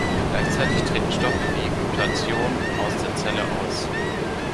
Gleichzeitig treten Stoffe wie Glutathion aus der Zelle aus.